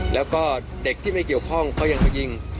และก็เด็กที่ไม่เกี่ยวคล่องก็ยังไปยิง